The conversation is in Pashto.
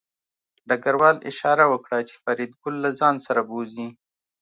ډګروال اشاره وکړه چې فریدګل له ځان سره بوځي